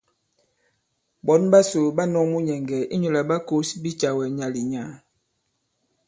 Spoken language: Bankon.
Ɓɔ̌n ɓasò ɓa nɔ̄k munyɛ̀ŋgɛ̀ inyū lā ɓa kǒs bicàwɛ nyàà-lì- nyàà.